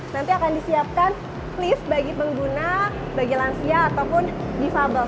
nanti akan disiapkan lift bagi pengguna bagi lansia ataupun difabel